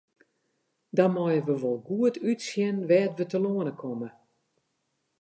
Dan meie we wol goed útsjen wêr't we telâne komme.